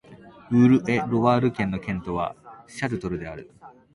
ウール＝エ＝ロワール県の県都はシャルトルである